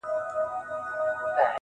لوستونکی سخت ځوروي تل